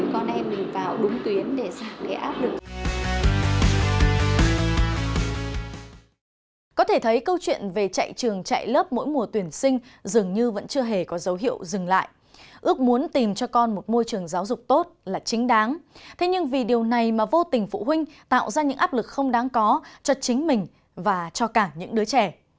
câu chuyện về chạy trường chạy lớp mỗi mùa tuyển sinh dường như vẫn chưa hề có dấu hiệu dừng lại ước muốn tìm cho con một môi trường giáo dục tốt là chính đáng thế nhưng vì điều này mà vô tình phụ huynh tạo ra những áp lực không đáng có cho chính mình và cho cả những đứa trẻ